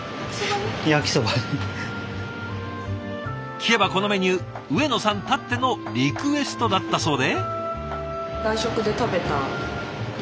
聞けばこのメニュー上野さんたってのリクエストだったそうで。